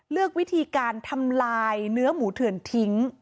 เลือกวิธีการทำลายเนื้อหมูเถื่อนทิ้ง